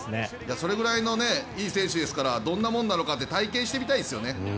それぐらいのいい選手ですからどんなもんなのか体験してみたいですね。